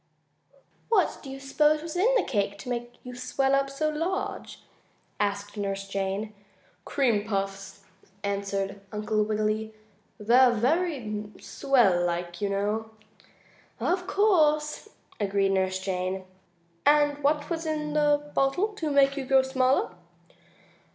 "What do you s'pose was in the cake to make you swell up so large?" asked Nurse Jane. "Cream puffs," answered Uncle Wiggily. "They're very swell like, you know." "Of course," agreed Nurse Jane. "And what was in the bottle to make you grow smaller?"